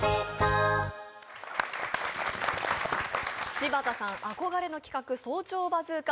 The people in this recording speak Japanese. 柴田さん憧れの企画「早朝バズーカ」